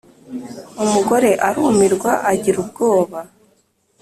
umugore arumirwa agira ubwoba,